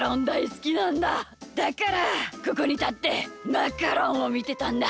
だからここにたってマカロンをみてたんだ。